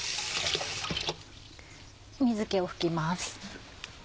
水気を拭きます。